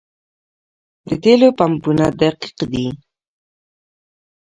د تیلو پمپونه دقیق دي؟